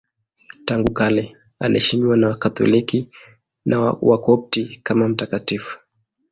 Tangu kale anaheshimiwa na Wakatoliki na Wakopti kama mtakatifu.